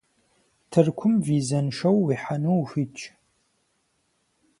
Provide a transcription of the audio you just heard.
Тыркум визэншэу уихьэну ухуитщ.